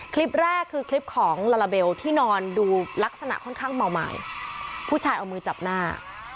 คลิปแรกคือคลิปของลาลาเบลที่นอนดูลักษณะค่อนข้างเมาใหม่ผู้ชายเอามือจับหน้า